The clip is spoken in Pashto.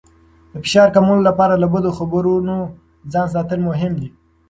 د فشار کمولو لپاره له بدو خبرونو ځان ساتل مهم دي.